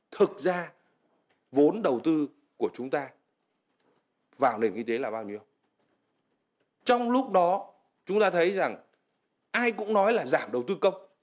trong lúc đó chúng ta thấy rằng ai cũng nói là giảm đầu tư công